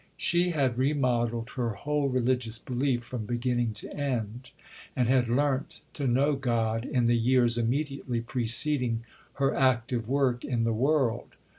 She had "remodelled her whole religious belief from beginning to end," and had "learnt to know God" in the years immediately preceding her active work in the world.